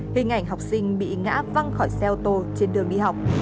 hình ảnh học sinh bị ngã văng khỏi xe ô tô trên đường đi học